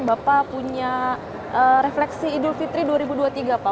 bapak punya refleksi idul fitri dua ribu dua puluh tiga pak